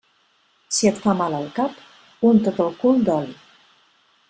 Si et fa mal el cap, unta't el cul d'oli.